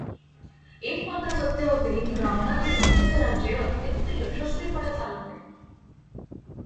एक मात्र सत्य होते की रावणाने लंकेचे राज्य अत्यंत यशस्वीपणे चालवले.